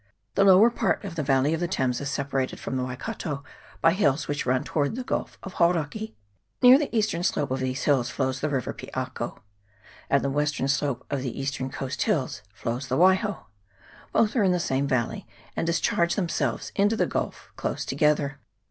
The lower part of the valley of the Thames is separated from the Waikato by hills which run toward the Gulf of Hauraki, Near the eastern slope of these hills flows the 414 WAIHO AND PIAKO. [PART II. river Piako ; at the western slope of the eastern coast hills flows the Waiho : both are in the same valley, and discharges themselves into the gulf close together.